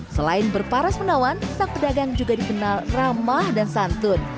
selain berparas menawan sang pedagang juga dikenal ramah dan santun